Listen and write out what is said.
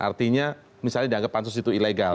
artinya misalnya dianggap pansus itu ilegal